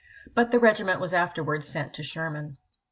But the regiment was afterwards sent to Sherman.